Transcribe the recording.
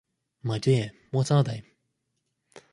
My dear, what are they?